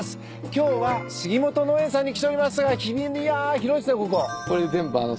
今日は杉本農園さんに来ておりますがいや広いっすね